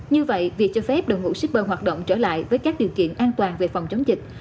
như vậy việc cho phép đội ngũ shipper hoạt động trở lại với các điều kiện an toàn về phòng chống dịch